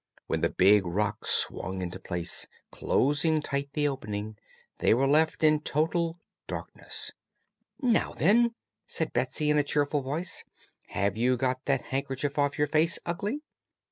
When the big rock swung into place, closing tight the opening, they were left in total darkness. "Now, then," called Betsy in a cheerful voice, "have you got that handkerchief off your face, Ugly?"